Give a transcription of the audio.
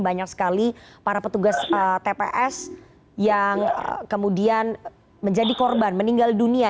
banyak sekali para petugas tps yang kemudian menjadi korban meninggal dunia